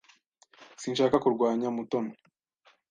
Sinshaka kurwanya Mutoni.